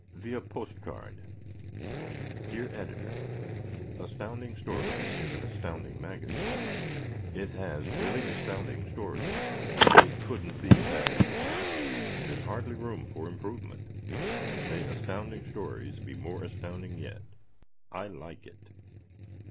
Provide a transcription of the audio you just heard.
Via Postcard Dear Editor: Astounding Stories is an astounding magazine. It has really astounding stories. It couldn't be better. There's hardly room for improvement. May Astounding Stories be more astounding yet. I like it!